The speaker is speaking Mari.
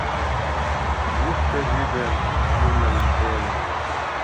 Йӱштӧ вӱдым йӱмем дене